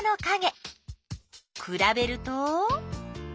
くらべると？